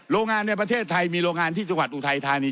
โรงงานในประเทศไทยมีโรงงานที่จังหวัดอุทัยธานี